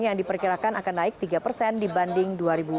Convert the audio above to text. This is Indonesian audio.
yang diperkirakan akan naik tiga persen dibanding dua ribu dua puluh